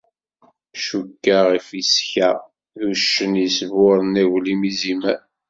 Cukkeɣ ifisek-a d uccen yesburren aglim izimer.